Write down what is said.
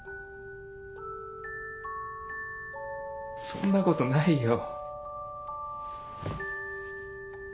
そんなことないよ。